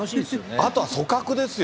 あとは組閣ですよ。